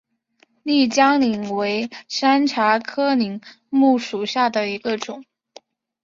丽江柃为山茶科柃木属下的一个种。